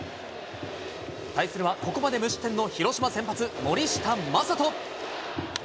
対するはここまで無失点の広島先発、森下暢仁。